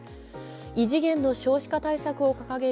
異次元の少子化対策を掲げる